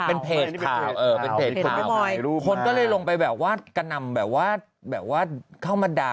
เป็นเพจของคนก็เลยลงไปแบบว่ากะนำแบบว่าแบบว่าเข้ามาด่า